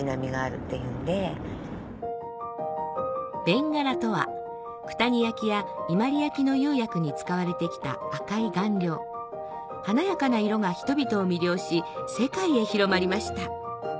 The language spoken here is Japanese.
ベンガラとは九谷焼や伊万里焼の釉薬に使われてきた赤い顔料華やかな色が人々を魅了し世界へ広まりました